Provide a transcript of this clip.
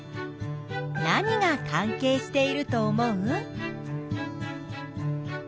何が関係していると思う？